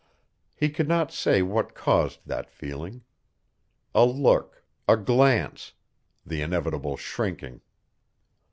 He could not say what caused that feeling. A look, a glance, the inevitable shrinking.